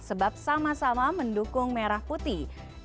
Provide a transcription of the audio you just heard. sebab sama sama mendukung merah putih